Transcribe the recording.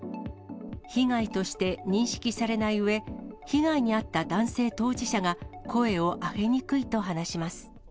被害として認識されないうえ、被害に遭った男性当事者が声を上げにくいと話します。